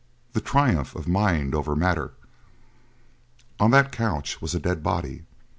The triumph of mind over matter! On that couch was a dead body.